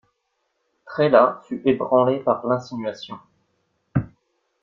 Trélat fut ébranlé par l'insinuation.